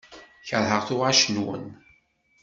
Keṛheɣ tuɣac-nwen.